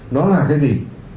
nó là cái gì